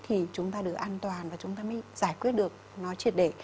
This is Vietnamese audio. thì chúng ta được an toàn và chúng ta mới giải quyết được nó triệt để